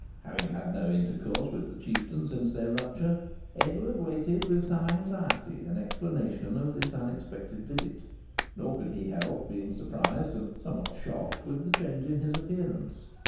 Having had no intercourse with the Chieftain since their rupture, Edward waited with some anxiety an explanation of this unexpected visit; nor could he help being surprised, and somewhat shocked, with the change in his appearance.